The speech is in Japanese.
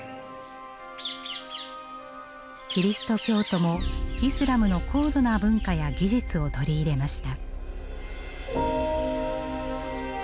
キリスト教徒もイスラムの高度な文化や技術を取り入れました。